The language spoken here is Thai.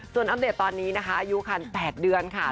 ส่วนอัปเดตตอนนี้นะคะอายุคัน๘เดือนค่ะ